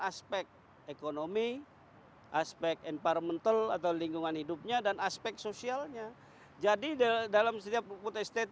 aspek ekonomi aspek environmental atau lingkungan hidupnya dan aspek sosialnya jadi dalam setiap